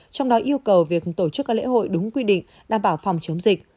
trong đó yêu cầu việc tổ chức các lễ hội đúng quy định đảm bảo phòng chống dịch